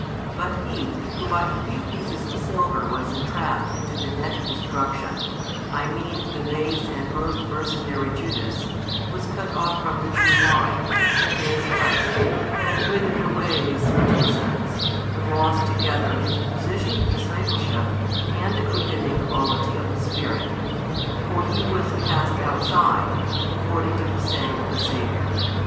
But he, who by a few pieces of silver was entrapped into the net of destruction, I mean the base and most mercenary Judas, was cut off from the true Vine, that is Christ, and withered away in a certain sense, and lost together his position of discipleship and the quickening quality of the Spirit. For he was cast outside, according to the saying of the Saviour.